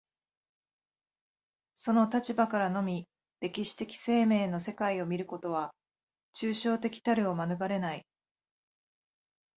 その立場からのみ歴史的生命の世界を見ることは、抽象的たるを免れない。